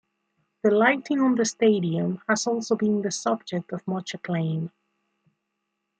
The lighting on the stadium has also been the subject of much acclaim.